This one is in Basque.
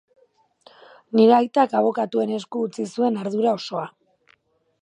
Nire aitak abokatuen esku utzi zuen ardura osoa.